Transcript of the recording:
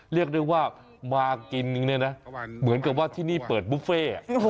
เรียกได้ว่ามากินเนี่ยนะเหมือนกับว่าที่นี่เปิดบุฟเฟ่